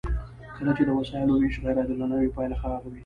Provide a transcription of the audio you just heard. کله چې د وسایلو ویش غیر عادلانه وي پایله خرابه وي.